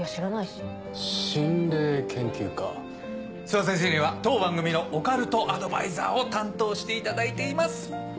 諏訪先生には当番組のオカルトアドバイザーを担当していただいています。